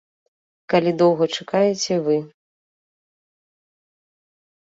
Калі доўга чакаеце вы.